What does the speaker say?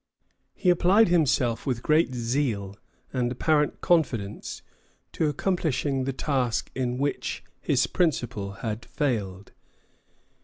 He applied himself with great zeal and apparent confidence to accomplishing the task in which his principal had failed.